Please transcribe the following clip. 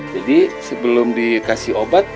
jadi sebelum dikasih obat